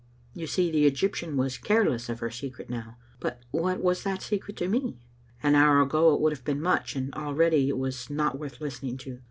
You see the Egyptian was careless of her secret now ; but what was that secret to me? An hour ago it would have been much, and already it was not worth listening to.